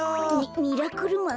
ミミラクルマン？